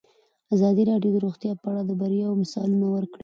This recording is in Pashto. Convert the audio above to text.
ازادي راډیو د روغتیا په اړه د بریاوو مثالونه ورکړي.